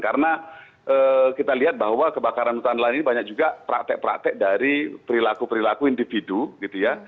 karena kita lihat bahwa kebakaran hutan dan lahan ini banyak juga praktek praktek dari perilaku perilaku individu gitu ya